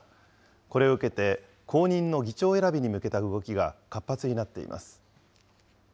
これを受けて、後任の議長選びに向けた動きが活発になっています。